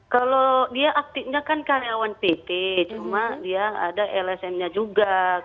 kalau dia aktifnya kan karyawan pt cuma dia ada lsm nya juga